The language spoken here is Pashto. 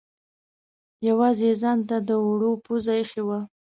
یوازې یې ځانته د اوړو پزه اېښې وه.